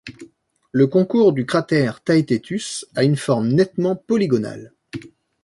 Le contours du cratère Theaetetus a une forme nettement polygonale.